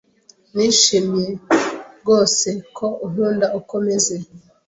Nishimiye rwose ko unkunda uko meze.